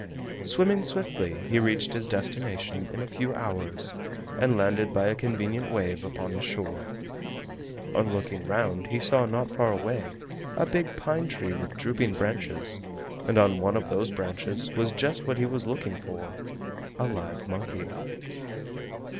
Swimming swiftly he reached his destination in a few hours, and landed by a convenient wave upon the shore. On looking round he saw not far away a big pine tree with drooping branches and on one of those branches was just what he was looking for—a live monkey.